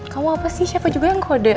kamu apa sih siapa juga yang kode